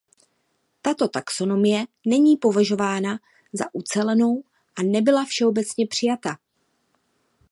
Tato taxonomie není považována za ucelenou a nebyla všeobecně přijata.